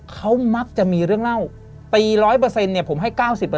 เขามักจะมีเรื่องเล่าตี๑๐๐ผมให้๙๐